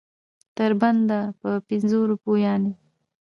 تر بنده په پنځو روپو یعنې.